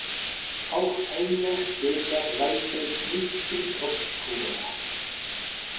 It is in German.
Auch ein Jahr später reichte es nicht zum Topscorer.